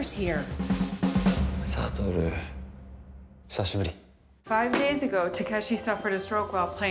久しぶり。